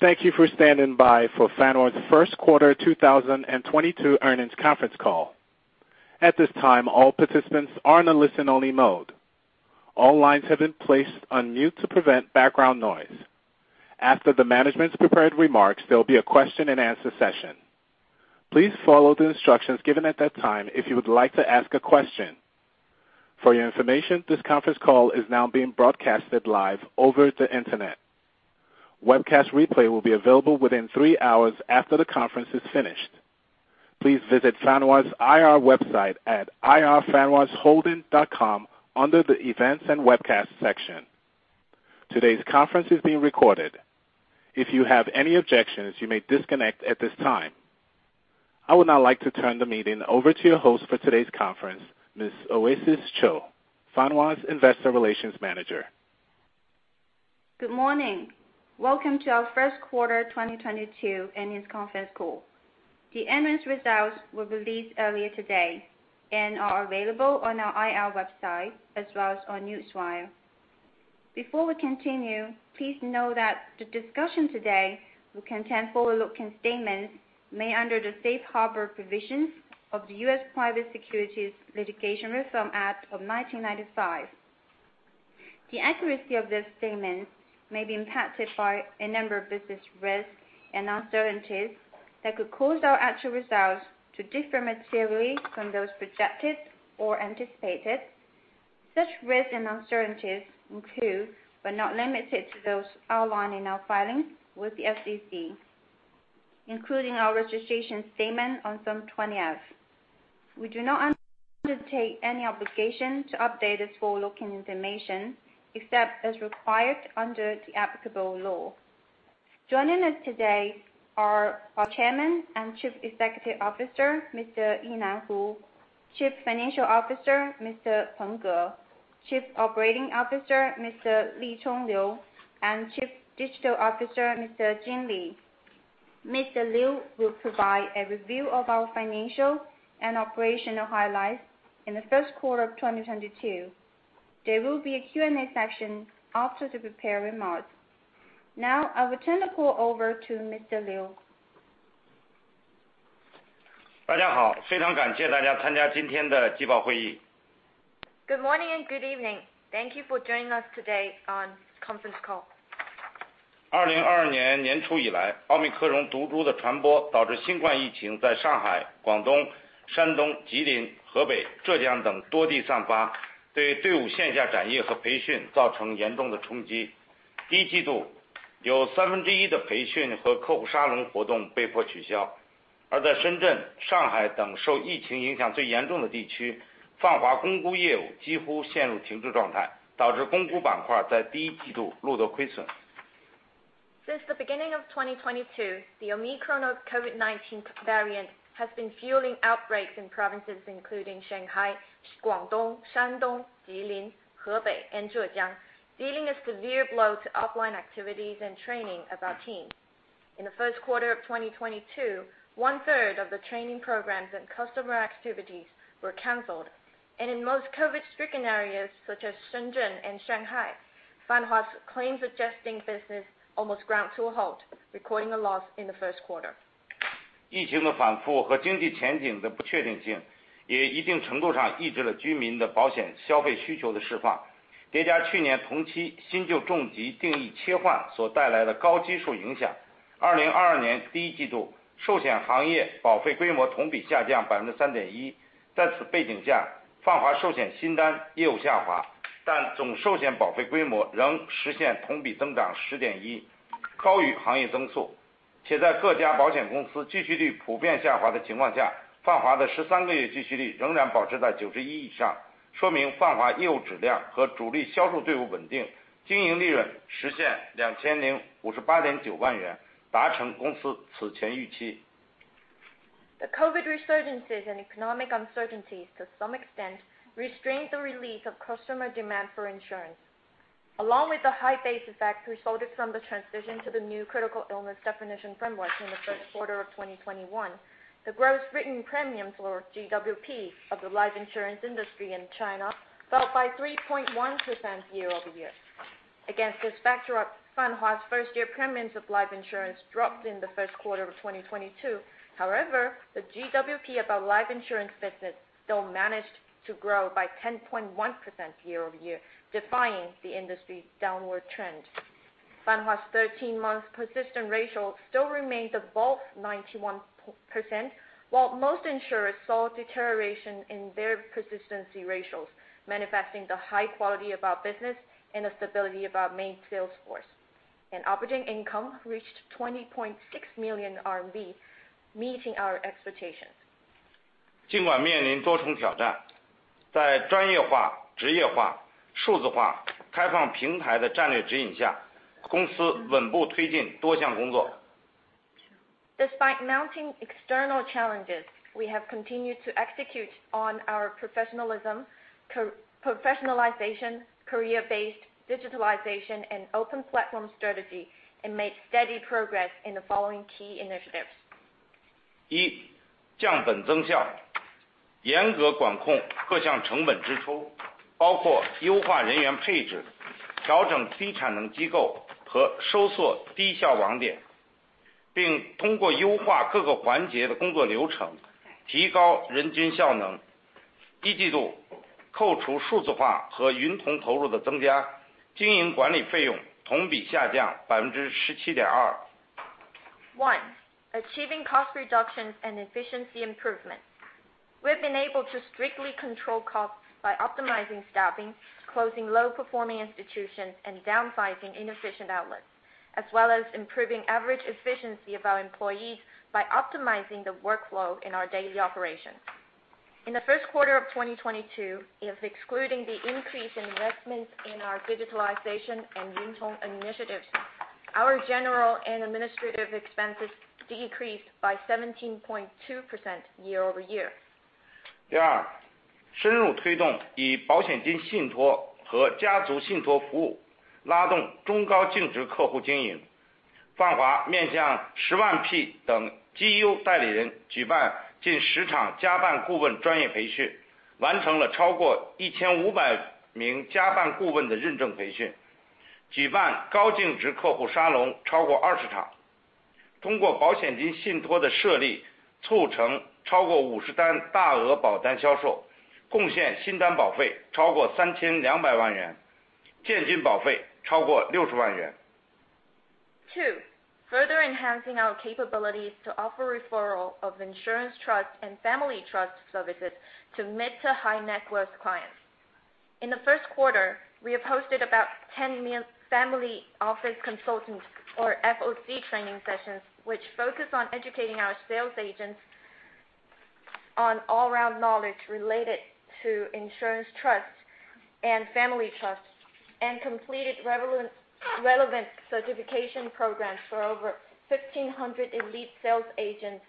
Thank you for standing by for Fanhua's first quarter 2022 earnings conference call. At this time, all participants are in a listen-only mode. All lines have been placed on mute to prevent background noise. After the management's prepared remarks, there'll be a question-and-answer session. Please follow the instructions given at that time if you would like to ask a question. For your information, this conference call is now being broadcasted live over the Internet. Webcast replay will be available within three hours after the conference is finished. Please visit Fanhua's IR website at ir.fanhuaholdings.com under the Events and Webcast section. Today's conference is being recorded. If you have any objections, you may disconnect at this time. I would now like to turn the meeting over to your host for today's conference, Miss Oasis Qiu, Fanhua's Investor Relations Manager. Good morning. Welcome to our first quarter 2022 earnings conference call. The earnings results were released earlier today and are available on our IR website as well as on Newswire. Before we continue, please know that the discussion today will contain forward-looking statements made under the safe harbor provisions of the U.S. Private Securities Litigation Reform Act of 1995. The accuracy of this statement may be impacted by a number of business risks and uncertainties that could cause our actual results to differ materially from those projected or anticipated. Such risks and uncertainties include, but not limited to those outlined in our filing with the SEC, including our registration statement on Form 20-F. We do not undertake any obligation to update this forward-looking information except as required under the applicable law. Joining us today are our Chairman and Chief Executive Officer, Mr. Yinan Hu, Chief Financial Officer, Mr. Peng Ge, Chief Financial Officer, Mr. Lichong Liu, Chief Operating Officer, and Mr. Jun Li, Chief Digital Officer. Mr. Liu will provide a review of our financial and operational highlights in the first quarter of 2022. There will be a Q&A section after the prepared remarks. Now, I will turn the call over to Mr. Liu. Good morning and good evening. Thank you for joining us today on conference call. Since the beginning of 2022, the Omicron COVID-19 variant has been fueling outbreaks in provinces including Shanghai, Guangdong, Shandong, Jilin, Hebei, and Zhejiang, dealing a severe blow to offline activities and training of our team. In the first quarter of 2022, one-third of the training programs and customer activities were canceled, and in most COVID-stricken areas, such as Shenzhen and Shanghai, Fanhua's claims adjusting business almost ground to a halt, recording a loss in the first quarter. The COVID resurgences and economic uncertainties to some extent restrained the release of customer demand for insurance. Along with the high base effect resulted from the transition to the new critical illness definition framework in the first quarter of 2021, the gross written premium for GWP of the life insurance industry in China fell by 3.1% year-over-year. Against this backdrop, Fanhua's first year premiums of life insurance dropped in the first quarter of 2022. However, the GWP of our life insurance business still managed to grow by 10.1% year-over-year, defying the industry's downward trend. Fanhua's 13-month persistency ratio still remains above 91%, while most insurers saw deterioration in their persistency ratios, manifesting the high quality of our business and the stability of our main sales force. Operating income reached 20.6 million RMB, meeting our expectations. Despite mounting external challenges, we have continued to execute on our professionalism, professionalization, career-based digitalization, and open platform strategy and made steady progress in the following key initiatives. 一、降本增效。严格管控各项成本支出，包括优化人员配置，调整低产能机构和收缩低效网点，并通过优化各个环节的工作流程，提高人均效能。一季度扣除数字化和云桐投入的增加，经营管理费用同比下降17.2%。One, achieving cost reductions and efficiency improvements. We've been able to strictly control costs by optimizing staffing, closing low-performing institutions, and downsizing inefficient outlets, as well as improving average efficiency of our employees by optimizing the workflow in our daily operations. In the first quarter of 2022, if excluding the increase in investments in our digitalization and Yuntong initiatives, our general and administrative expenses decreased by 17.2% year-over-year. Two, further enhancing our capabilities to offer referral of insurance trust and family trust services to mid-to-high-net-worth clients. In the first quarter, we have hosted about 10 family office consultants or FOC training sessions, which focus on educating our sales agents on all-around knowledge related to insurance trusts and family trusts, and completed relevant certification programs for over 1,500 elite sales agents,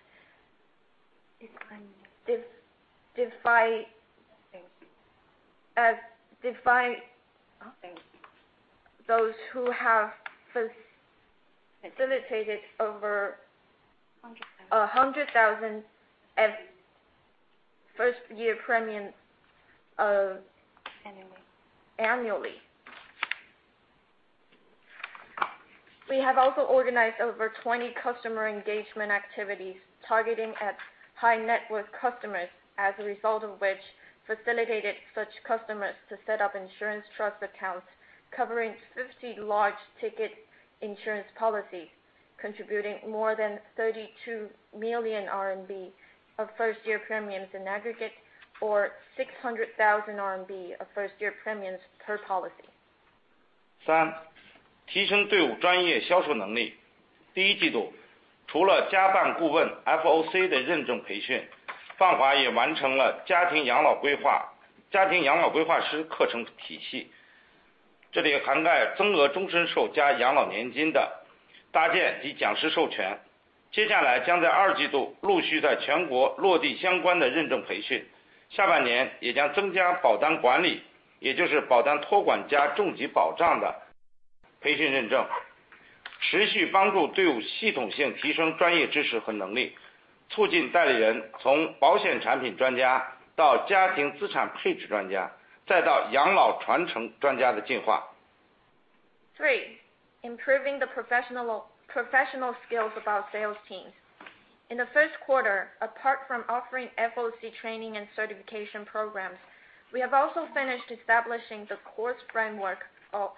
those who have facilitated over 100,000 first year premiums annually. We have also organized over 20 customer engagement activities targeting at high net worth customers, as a result of which facilitated such customers to set up insurance trust accounts covering 50 large-ticket insurance policies, contributing more than 32 million RMB of first year premiums in aggregate, or CNY 600,000 of first year premiums per policy. 三、提升队伍专业销售能力。第一季度除了家办顾问FOC的认证培训，泛华也完成了家庭养老规划、家庭养老规划师课程体系，这里涵盖增额终身寿加养老年金的搭建及讲师授权。接下来将在二季度陆续在全国落地相关的认证培训。下半年也将增加保单管理，也就是保单托管加终极保障的培训认证，持续帮助队伍系统性提升专业知识和能力，促进代理人从保险产品专家到家庭资产配置专家，再到养老传承专家的进化。Three, improving the professional skills of our sales teams. In the first quarter, apart from offering FOC training and certification programs, we have also finished establishing the course framework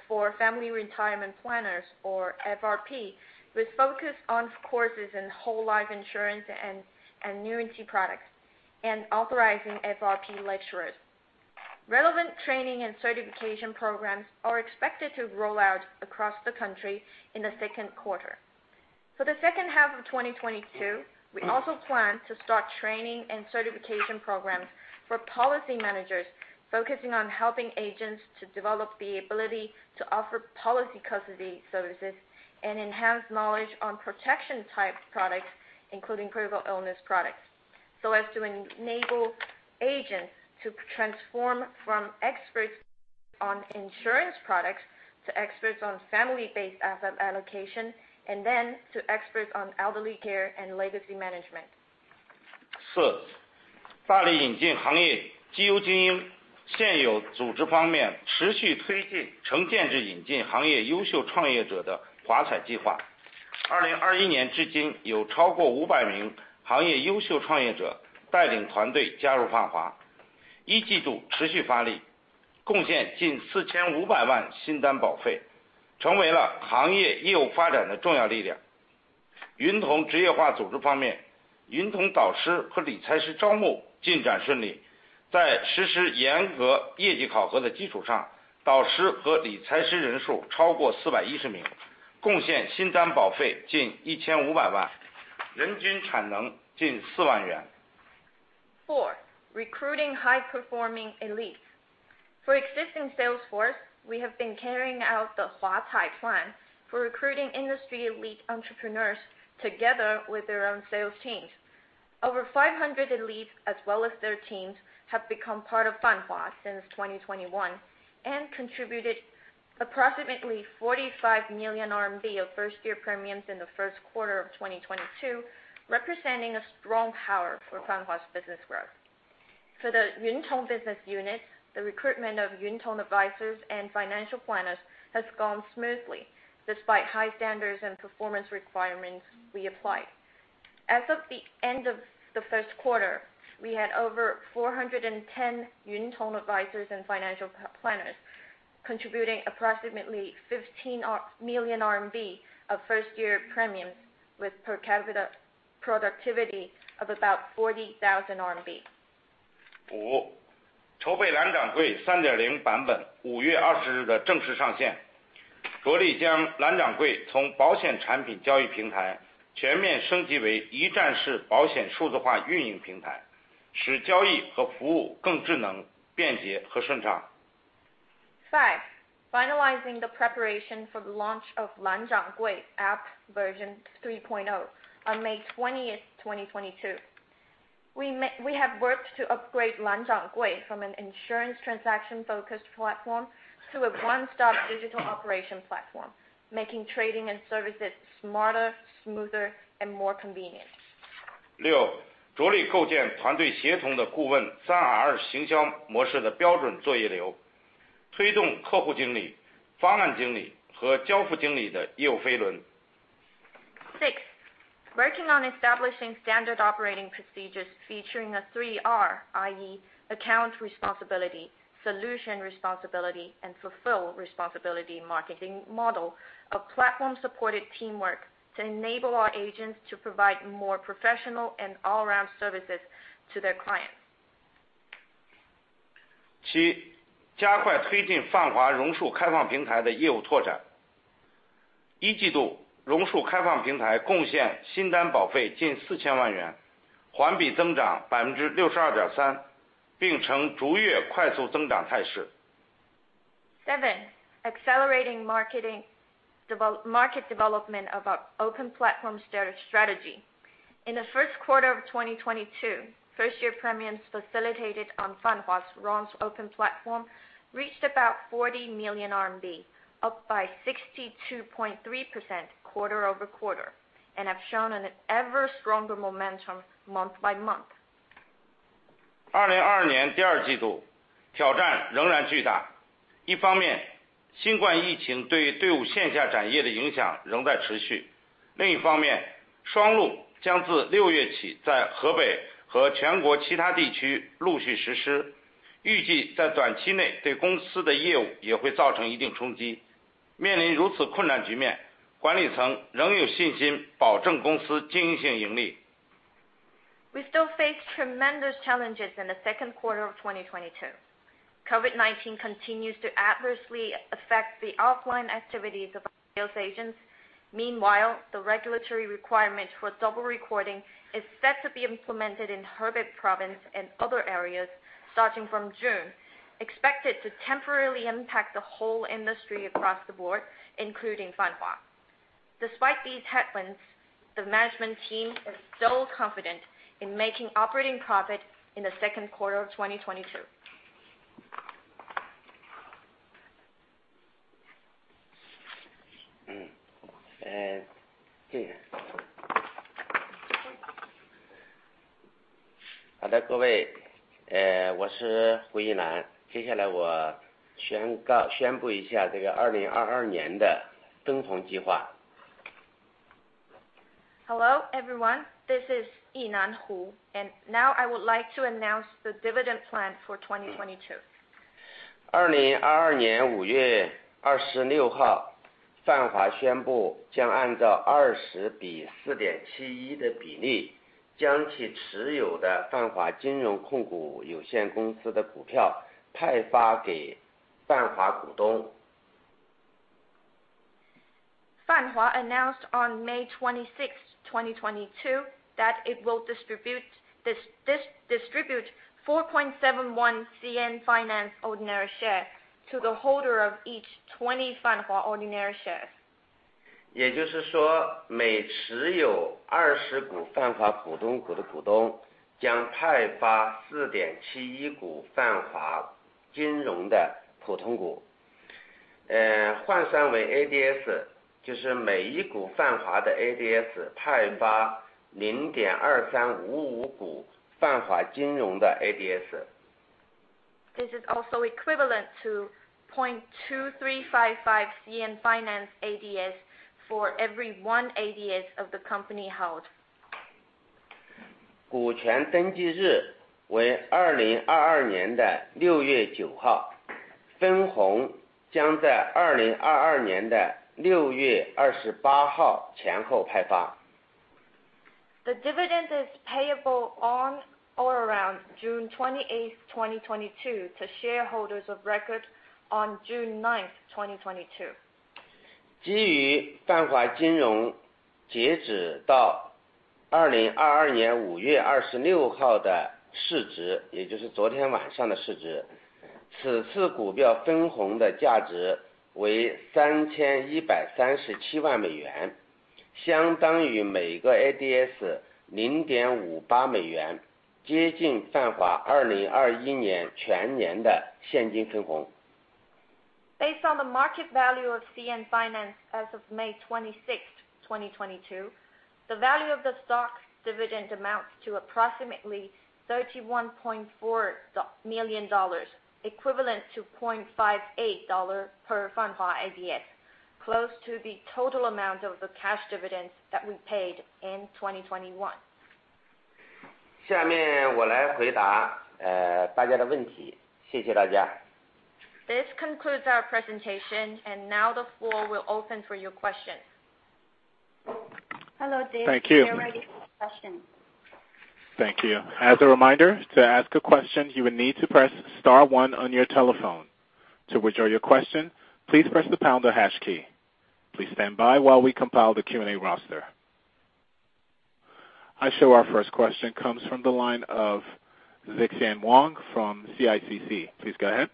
for family retirement planners or FRP, with focus on courses in whole life insurance and annuity products, and authorizing FRP lecturers. Relevant training and certification programs are expected to roll out across the country in the second quarter. For the second half of 2022, we also plan to start training and certification programs for policy managers focusing on helping agents to develop the ability to offer policy custody services and enhance knowledge on protection type products, including critical illness products, so as to enable agents to transform from experts on insurance products to experts on family-based asset allocation, and then to experts on elderly care and legacy management. 四、大力引进行业骨干精英。现有组织方面持续推进成建制引进行业优秀创业者的华彩计划。2021年至今，有超过500名行业优秀创业者带领团队加入泛华，一季度持续发力，贡献近4,500万新单保费，成为了行业业务发展的重要力量。云桐职业化组织方面，云桐导师和理财师招募进展顺利。在实施严格业绩考核的基础上，导师和理财师人数超过410名，贡献新单保费近1,500万，人均产能近4万元。Four, recruiting high-performing elites. For existing sales force, we have been carrying out the Huacai plan for recruiting industry elite entrepreneurs together with their own sales teams. Over 500 elites as well as their teams have become part of Fanhua since 2021 and contributed approximately 45 million RMB of first year premiums in the first quarter of 2022, representing a strong power for Fanhua's business growth. For the Yuntong business unit, the recruitment of Yuntong advisors and financial planners has gone smoothly despite high standards and performance requirements we apply. As of the end of the first quarter, we had over 410 Yuntong advisors and financial planners, contributing approximately 15 million RMB of first year premiums with per capita productivity of about CNY 40,000. 五、筹备蓝掌柜3.0版本五月二十日的正式上线，着力将蓝掌柜从保险产品交易平台全面升级为一站式保险数字化运营平台，使交易和服务更智能、便捷和顺畅。Five, finalizing the preparation for the launch of Lan Zhanggui app version 3.0 on May 20th, 2022. We have worked to upgrade Lan Zhanggui from an insurance transaction-focused platform to a one-stop digital operation platform, making trading and services smarter, smoother and more convenient. 六，着力构建团队协同的顾问3R行销模式的标准作业流，推动客户经理、方案经理和交付经理的业务飞轮。Six, working on establishing standard operating procedures featuring a 3R, i.e., account responsibility, solution responsibility, and fulfill responsibility marketing model of platform-supported teamwork to enable our agents to provide more professional and all-around services to their clients. 七、加快推进泛华榕树开放平台的业务拓展。一季度，榕树开放平台贡献新单保费近4,000万元，环比增长62.3%，并呈逐月快速增长态势。Seven, accelerating market development of our open platform strategy. In the first quarter of 2022, first year premiums facilitated on Fanhua's Rongshu open platform reached about 40 million RMB, up by 62.3% quarter-over-quarter, and have shown an ever stronger momentum month-by-month. 二零二二年第二季度，挑战仍然巨大。一方面，新冠疫情对于队伍线下展业的影响仍在持续。另一方面，双录将自六月起在河北和全国其他地区陆续实施，预计在短期内对公司的业务也会造成一定冲击。面临如此困难局面，管理层仍有信心保证公司经营性盈利。We still face tremendous challenges in the second quarter of 2022. COVID-19 continues to adversely affect the offline activities of our sales agents. Meanwhile, the regulatory requirement for double recording is set to be implemented in Hebei province and other areas starting from June, expected to temporarily impact the whole industry across the board, including Fanhua. Despite these headwinds, the management team is still confident in making operating profit in the second quarter of 2022. 各位，我是胡义南。接下来我宣布一下这个2022年的分红计划。Hello everyone, this is Yinan Hu, and now I would like to announce the dividend plan for 2022. 2022年5月26号，泛华宣布将按照20比4.71的比例将其持有的泛华金融控股有限公司的股票派发给泛华股东。Fanhua announced on May 26th, 2022 that it will distribute 4.71 CNFinance ordinary share to the holder of each 20 Fanhua ordinary shares. 也就是说，每持有二十股泛华股东股的股东将派发四点七一股泛华金融的普通股。换算为ADS，就是每一股泛华的ADS派发零点二三五五股泛华金融的ADS。This is also equivalent to 0.2355 CNFinance ADS for every 1 ADS of the company held. 股权登记日为2022年6月9号，分红将在2022年6月28号前后派发。The dividend is payable on or around June 28, 2022 to shareholders of record on June 9, 2022. 基于泛华金融截止到2022年5月26号的市值，也就是昨天晚上的市值，此次股票分红的价值为三千一百三十七万美元，相当于每个ADS零点五八美元，接近泛华2021年全年的现金分红。Based on the market value of CNFinance as of May 26th, 2022, the value of the stock dividend amounts to approximately $31.4 million, equivalent to $0.58 per Fanhua ADS, close to the total amount of the cash dividends that we paid in 2021. 下面我来回答大家的问题。谢谢大家。This concludes our presentation, and now the floor will open for your questions. Hello Dave. Thank you. We are ready for questions. Thank you. As a reminder, to ask a question, you will need to press star one on your telephone. To withdraw your question, please press the pound or hash key. Please stand by while we compile the Q&A roster. Our first question comes from the line of Zixian Wang from CICC. Please go ahead.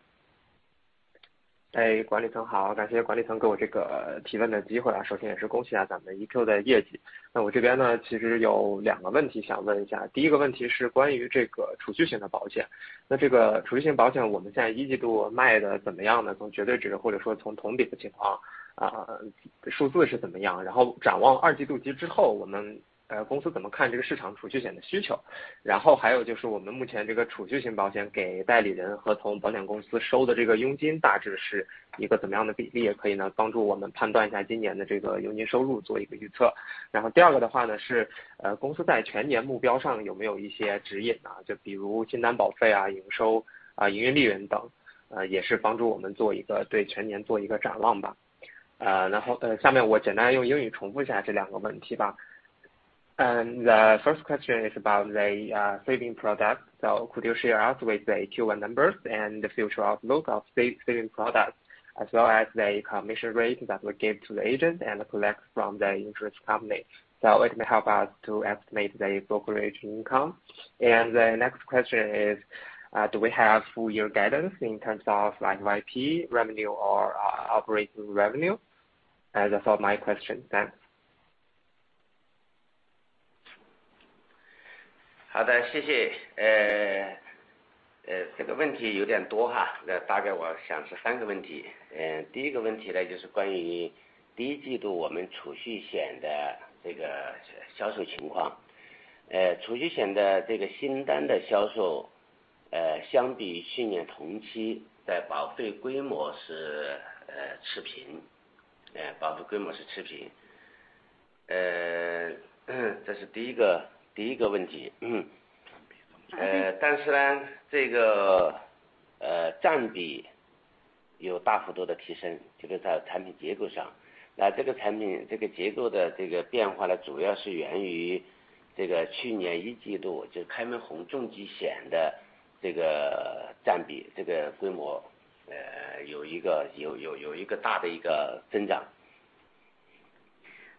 管理层好，感谢管理层给我这个提问的机会。首先也是恭喜，咱们的Q1的业绩。那我这边呢，其实有两个问题想问一下，第一个问题是关于这个储蓄型的保险，那这个储蓄型保险我们现在一季度卖得怎么样呢？从绝对值或者说从同比的情况，数字是怎么样？然后展望二季度及之后，公司怎么看这个市场储蓄险的需求？然后还有就是我们目前这个储蓄型保险给代理人和从保险公司收的这个佣金大致是一个怎么样的比例？也可以帮助我们判断一下今年的这个佣金收入做一个预测。然后第二个的话呢是，公司在全年目标上有没有一些指引呢？就比如新单保费、营收、营业利润等，也是帮助我们做一个对全年做一个展望吧。然后下面我简单用英语重复一下这两个问题吧。And the first question is about the saving products. Could you share with us the Q1 numbers and the future outlook of savings products as well as the commission rate that we give to the agent and collect from the insurance company, so it may help us to estimate the brokerage income. The next question is, do we have full year guidance in terms of like FYP, revenue or operating revenue? As for my question, thanks.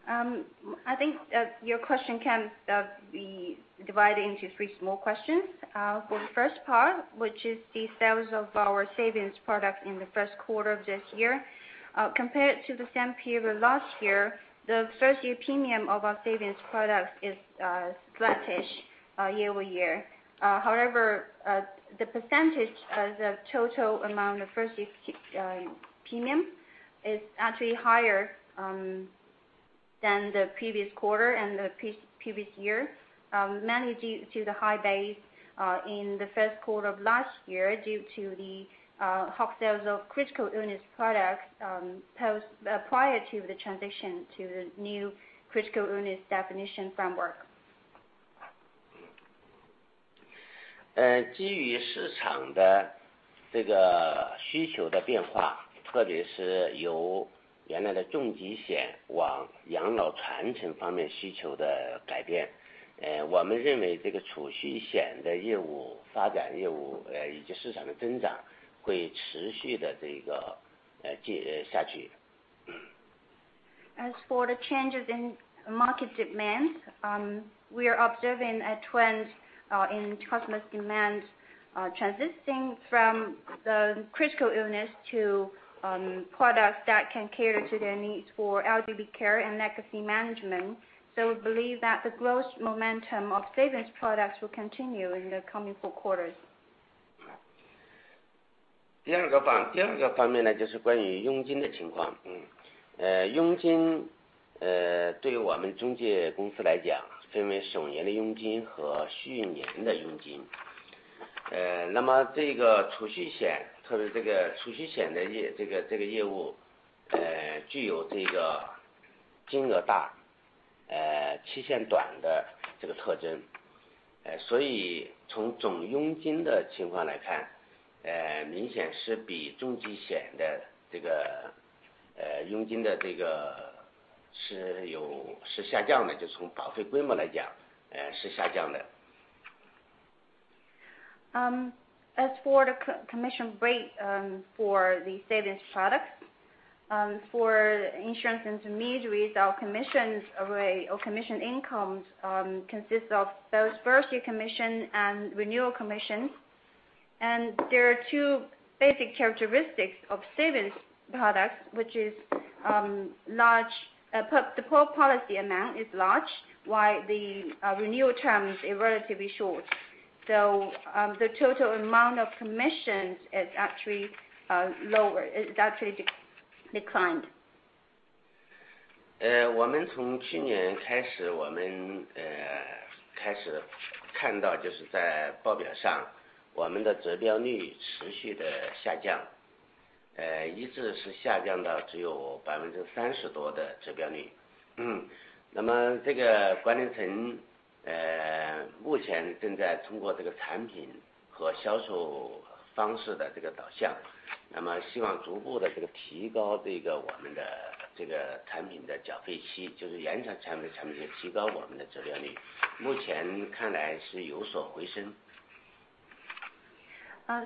I think your question can be divided into three small questions. For the first part, which is the sales of our savings product in the first quarter of this year, compared to the same period last year, the first year premium of our savings product is flatish year-over-year. However, the percentage of the total amount of first year premium is actually higher than the previous quarter and the pre-previous year, mainly due to the high base in the first quarter of last year due to the high sales of critical illness products prior to the transition to the new critical illness definition framework. 基于市场的需求变化，特别是由原来的重疾险往养老传承方面需求的改变，我们认为这个储蓄险的业务发展，以及市场的增长会持续地继续下去。As for the changes in market demand, we are observing a trend in customers demand transitioning from the critical illness to products that can cater to their needs for elderly care and legacy management. We believe that the growth momentum of savings products will continue in the coming four quarters. As for the commission rate, for the savings products, for insurance intermediaries, our commissions array or commission incomes consist of those first year commission and renewal commissions. There are two basic characteristics of savings products, which is, the policy amount is large, while the renewal terms are relatively short. The total amount of commissions is actually lower, is actually declined. 我们从去年开始，我们开始看到，就是在报表上我们的折标率持续地下降，一直是下降到只有30%多的折标率。那么这个管理层，目前正在通过这个产品和销售方式的这个导向，那么希望逐步地这个提高这个我们的这个产品的缴费期，就是延长产品的周期，提高我们的折标率。目前看来是有所回升。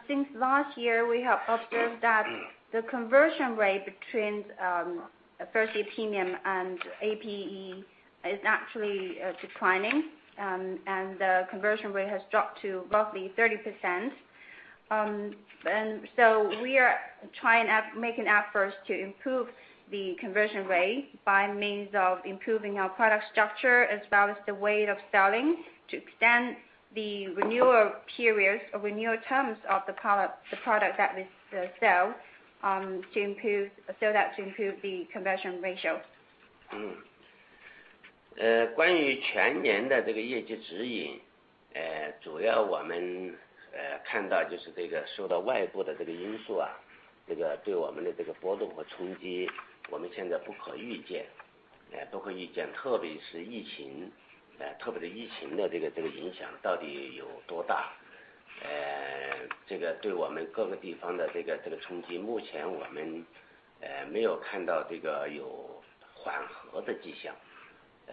Since last year, we have observed that the conversion rate between first year premium and APE is actually declining, and the conversion rate has dropped to roughly 30%. We are trying to make an effort to improve the conversion rate by means of improving our product structure as well as the way of selling, to extend the renewal periods or renewal terms of the product that we sell, to improve, so that to improve the conversion ratio.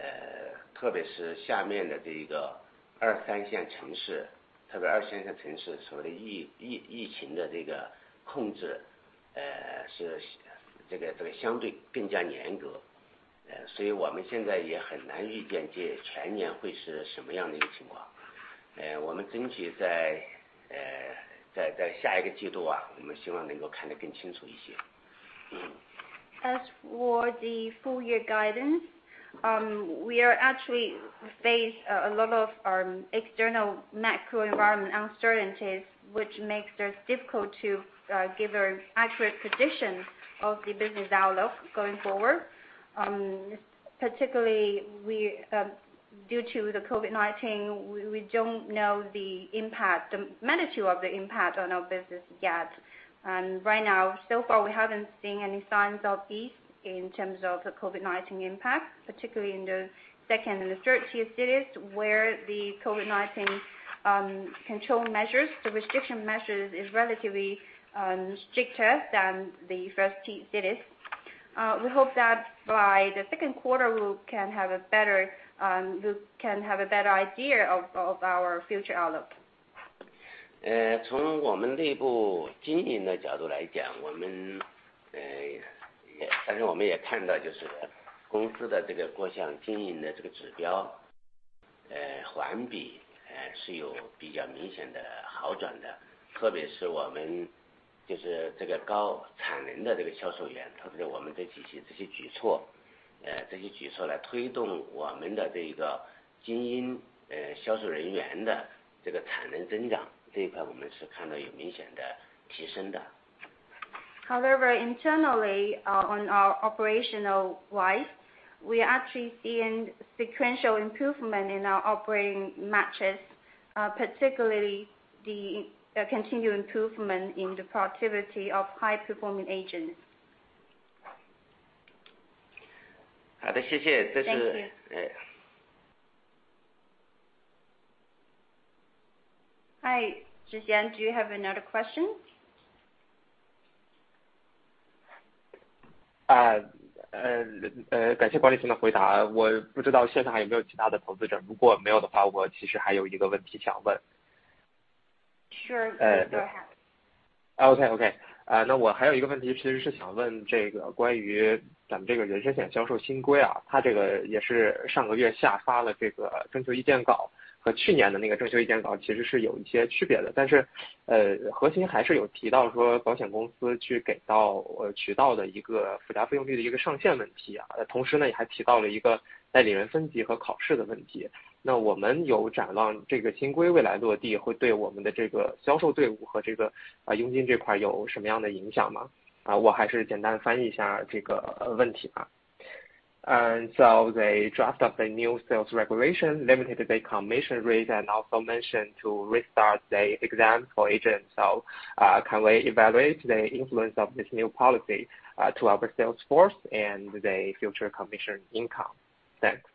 As for the full-year guidance, we are actually facing a lot of our external macro-environment uncertainties, which makes this difficult to give an accurate prediction of the business outlook going forward. Particularly, we, due to the COVID-19, we don't know the impact, the magnitude of the impact on our business yet. Right now so far we haven't seen any signs of this in terms of the COVID-19 impact, particularly in the second- and third-tier cities where the COVID-19 control measures, the restriction measures is relatively stricter than the first-tier cities. We hope that by the second quarter, we can have a better idea of our future outlook. However, internally, operationally wise, we are actually seeing sequential improvement in our operating metrics, particularly the continued improvement in the productivity of high-performing agents. 好的，谢谢。这是 Thank you. Hi, Zixian, do you have another question? 感谢管理层的回答。我不知道现场还有没有其他的投资者，如果没有的话，我其实还有一个问题想问。Sure。对。OK，OK。那我还有一个问题，其实是想问关于咱们这个人身险销售新规，它这个也是上个月下发了这个征求意见稿，和去年的那个征求意见稿其实是有一些区别的，但是核心还是有提到说保险公司去给到渠道的一个复杂费用率的一个上限问题。同时呢，也还提到了一个代理人分级和考试的问题。那我们有展望这个新规未来落地会对我们的这个销售队伍和佣金这块有什么样的影响吗？我还是简单翻译一下这个问题吧。And so they draft up the new sales regulation limited the commission rate and also mentioned to restart the exam for agents. So can we evaluate the influence of this new policy to our sales force and the future commission income? Thanks。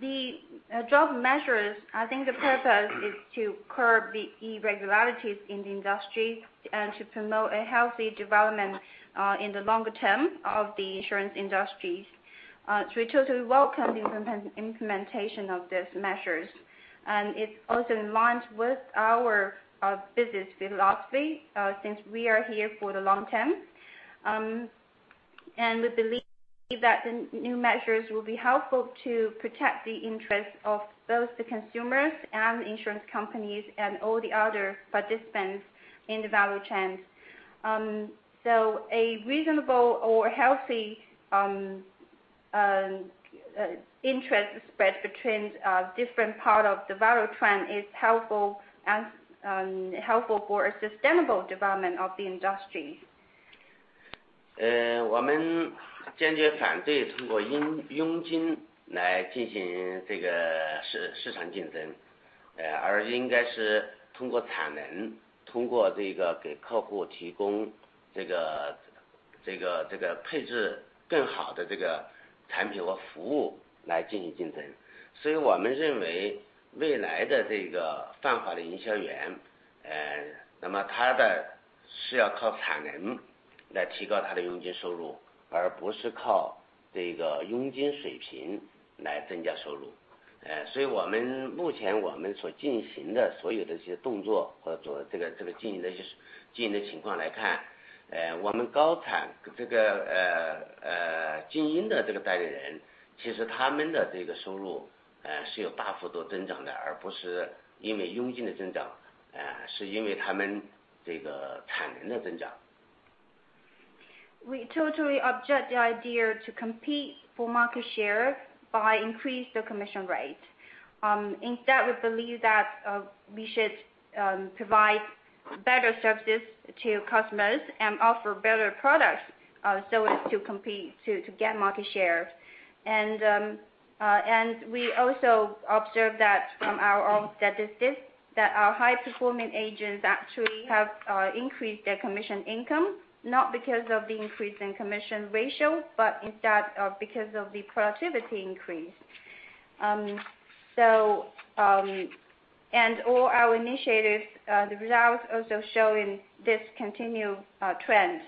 The draft measures, I think the purpose is to curb the irregularities in the industry and to promote a healthy development in the longer term of the insurance industry. We totally welcome the implementation of these measures. It also in line with our business philosophy since we are here for the long term. We believe that the new measures will be helpful to protect the interests of both the consumers and the insurance companies and all the other participants in the value chains. A reasonable or healthy interest spread between different part of the value chain is helpful, and helpful for a sustainable development of the industry. We totally object to the idea to compete for market share by increasing the commission rate. Instead, we believe that we should provide better services to customers and offer better products so as to compete to get market share. We also observe from our own statistics that our high-performing agents actually have increased their commission income, not because of the increase in commission ratio, but instead because of the productivity increase. All our initiatives, the results also show this continued trend.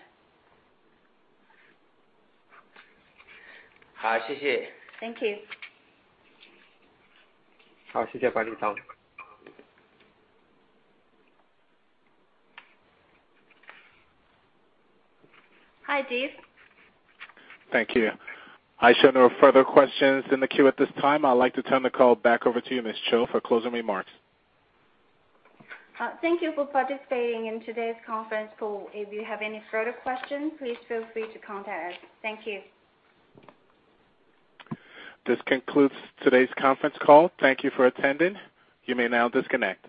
好，谢谢。Thank you. 好，谢谢白女士。Hi, Steve. Thank you. I show no further questions in the queue at this time. I'd like to turn the call back over to you, Miss Qiu, for closing remarks. Thank you for participating in today's conference call. If you have any further questions, please feel free to contact us. Thank you. This concludes today's conference call. Thank you for attending. You may now disconnect.